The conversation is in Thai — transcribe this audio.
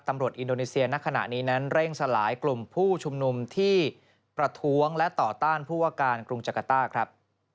อินโดนีเซียณขณะนี้นั้นเร่งสลายกลุ่มผู้ชุมนุมที่ประท้วงและต่อต้านผู้ว่าการกรุงจักรต้าครับ